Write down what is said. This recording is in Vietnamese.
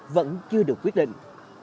vẫn chưa được quyết định